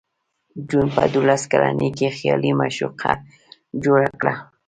جون په دولس کلنۍ کې خیالي معشوقه جوړه کړه